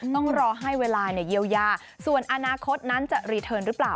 ต้องรอให้เวลาเยียวยาส่วนอนาคตนั้นจะรีเทิร์นหรือเปล่า